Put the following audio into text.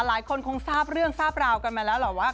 หลายคนคงทราบเรื่องทราบราวกันมาแล้วเหรอว่า